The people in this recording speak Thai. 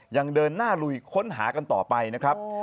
ยังเดินหน้าลุยค้นหากันต่อไปนะครับ